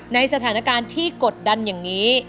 ในสถานการณ์ที่กดดันอย่างนี้